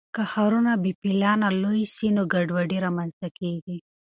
که ښارونه بې پلانه لوی سي نو ګډوډي رامنځته کیږي.